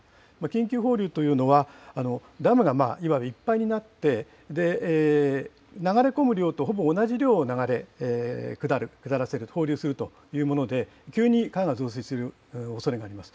緊急放流というのは、ダムがいっぱいになって、流れ込む量とほぼ同じ量を流れ下らせる、放流するというもので、急に川が増水するおそれがあります。